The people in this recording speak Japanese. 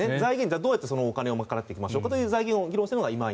どうやってそのお金を賄っていきましょうかという財源を議論しているのが今。